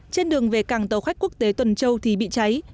trên đường về cảng tàu khách quốc tế tuần châu thì bị cháy